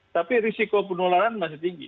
tapi risiko penularan masih tinggi